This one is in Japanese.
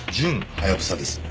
はやぶさです。